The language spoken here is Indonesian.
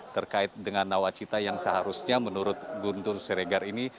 terkait dengan nawacita yang seharusnya menurut guntur siregar ini